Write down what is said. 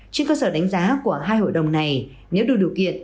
trên cơ sở đánh giá của hai hội đồng này nếu đủ điều kiện